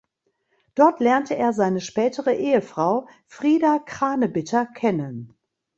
Dort lernte er seine spätere Ehefrau Frieda Kranebitter kennen.